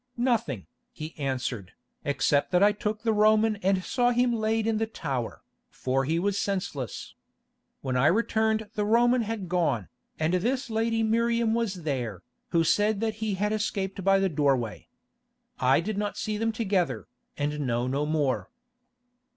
"Nothing," he answered, "except that I took the Roman and saw him laid in the tower, for he was senseless. When I returned the Roman had gone, and this lady Miriam was there, who said that he had escaped by the doorway. I did not see them together, and know no more."